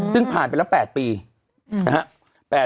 ซึ่งผ่านไปแล้ว๘ปีนะครับ